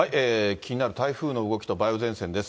気になる台風の動きと梅雨前線です。